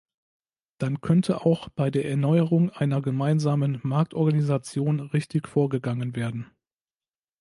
Dann könnte auch bei der Erneuerung einer Gemeinsamen Marktorganisation richtig vorgegangen werden.